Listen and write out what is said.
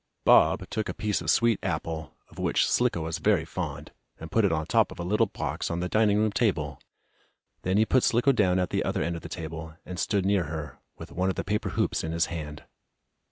Bob took a piece of sweet apple, of which Slicko was very fond, and put it on top of a little box on the dining room table. Then he put Slicko down at the other end of the table, and stood near her, with one of the paper hoops in his hand.